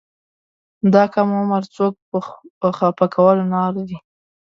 دا کم عمر کې څوک په خپه کولو نه ارزي.